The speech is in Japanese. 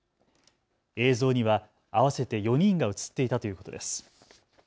映像には合わせて４人が写っていたということです。